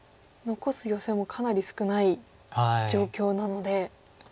残すヨセもかなり少ない状況なので。